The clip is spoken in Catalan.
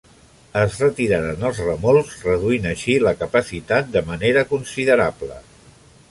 Es retiraren els remolcs, reduint així la capacitat de manera considerable.